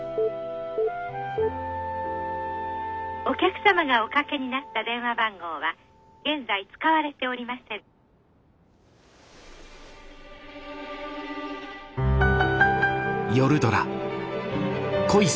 「お客様がお掛けになった電話番号は現在使われておりません」。